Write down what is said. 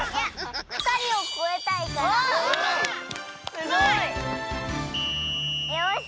すごい！よし！